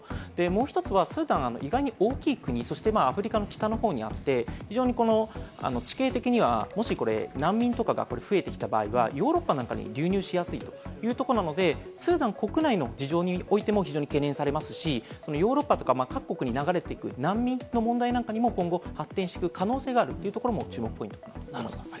もう一つはスーダンは意外に大きい国、そしてアフリカの北のほうにあって非常に地形的にはもしこれ、難民とかが増えてきた場合はヨーロッパなんかに流入しやすいという所なのでスーダン国内の事情においても非常に懸念されますし、ヨーロッパとか各国に流れてくる難民の問題にも今後、発展していく可能性があるところも注目ポイントです。